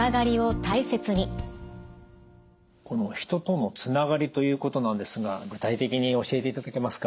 この人とのつながりということなんですが具体的に教えていただけますか？